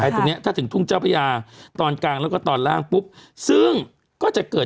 ตรงเนี้ยถ้าถึงทุ่งเจ้าพญาตอนกลางแล้วก็ตอนล่างปุ๊บซึ่งก็จะเกิด